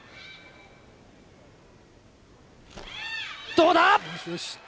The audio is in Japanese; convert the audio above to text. どうだ？